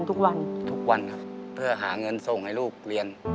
ทุกวันทุกวันครับเพื่อหาเงินส่งให้ลูกเรียน